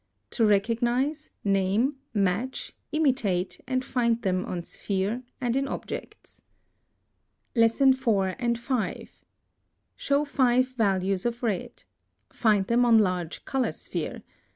To recognize, name, match, imitate, and 3. find them on sphere and in objects. 4. Show FIVE VALUES of RED. Find them on large color sphere.